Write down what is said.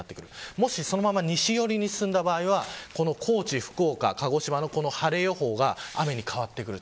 もしそのまま西寄りに進んだ場合は高知、福岡、鹿児島の晴れ予報が雨に変わってくる。